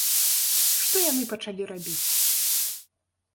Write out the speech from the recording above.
Што яны пачалі рабіць?